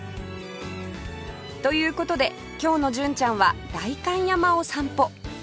という事で今日の純ちゃんは代官山を散歩